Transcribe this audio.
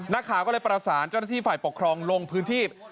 นักข่าวก็เลยประสานเจ้าหน้าที่ฝ่ายปกครองลงพื้นที่